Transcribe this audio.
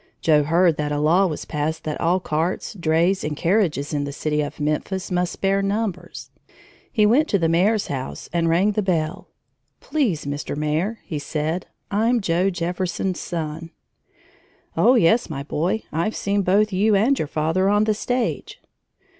Joe heard that a law was passed that all carts, drays, and carriages in the city of Memphis must bear numbers. He went to the mayor's house and rang the bell. "Please, Mr. Mayor," he said, "I'm Joe Jefferson's son." "Oh, yes, my boy; I've seen both you and your father on the stage."